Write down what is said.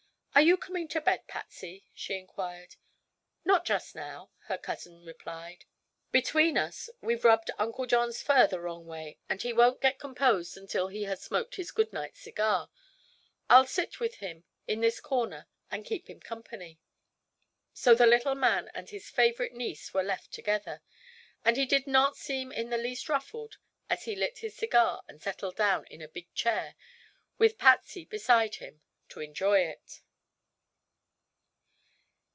"Are you coming to bed, Patsy?" she inquired. "Not just now," her cousin replied. "Between us, we've rubbed Uncle John's fur the wrong way and he won't get composed until he has smoked his good night cigar. I'll sit with him in this corner and keep him company." So the little man and his favorite niece were left together, and he did not seem in the least ruffled as he lit his cigar and settled down in a big chair, with Patsy beside him, to enjoy it.